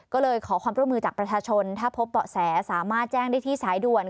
ก็เลยขอความร่วมมือจากประชาชนถ้าพบเบาะแสสามารถแจ้งได้ที่สายด่วน